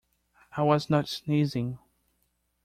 I was not sneezing.